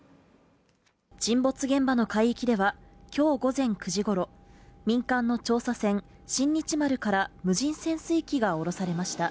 沈没現場の海域では、今日午前９時ごろ、民間の調査船「新日丸」から無人潜水機がおろされました。